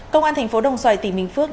công an thành phố đồng xoài tỉnh bình phước